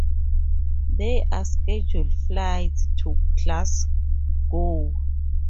There are scheduled flights to Glasgow.